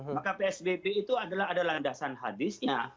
maka psbb itu adalah landasan hadis